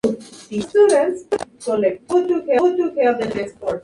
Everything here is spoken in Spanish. Cursó sus estudios primarios y secundarios en instituciones salesianas.